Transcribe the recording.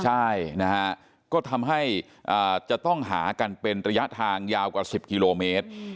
ใช่นะฮะก็ทำให้จะต้องหากันเป็นระยะทางยาวกว่า๑๐กิโลเมตร